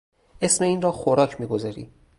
اسم این را خوراک میگذاری!